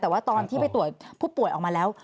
แต่ว่าตอนที่ไปตรวจผู้ป่วยออกมาแล้ว